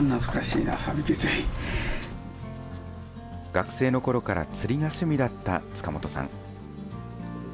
学生のころから釣りが趣味だった塚本さん。